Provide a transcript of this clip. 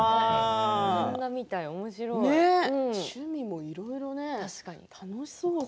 趣味もいろいろですね。